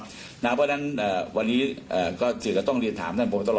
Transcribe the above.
เพราะฉะนั้นวันนี้ก็สื่อก็ต้องเรียนถามท่านพบตร